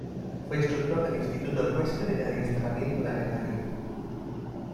Fue instructor del Instituto Ecuestre de Adiestramiento de Alemania.